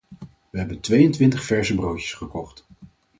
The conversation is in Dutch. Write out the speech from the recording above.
We hebben tweeëntwintig verse broodjes gekocht.